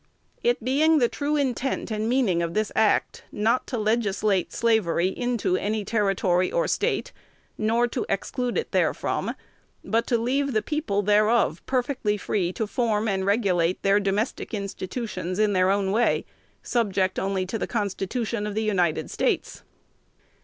"It being the true intent and meaning of this act not to legislate slavery into any Territory or State, nor to exclude it therefrom, but to leave the people thereof perfectly free to form and regulate their domestic institutions in their own way, subject only to the Constitution of the United States."